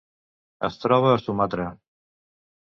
Es troba a Sumatra.